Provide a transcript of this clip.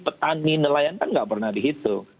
seperti pak adi ini petani nelayan kan nggak pernah dihitung